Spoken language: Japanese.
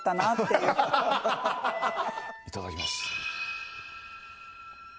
いただきます。